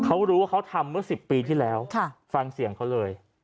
เขารู้ว่าเขาทำเมื่อ๑๐ปีที่แล้วฟังเสียงเขาเลย